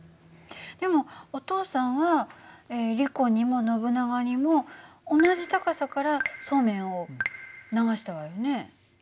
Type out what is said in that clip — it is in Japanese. でもお父さんはリコにもノブナガにも同じ高さからそうめんを流したわよね。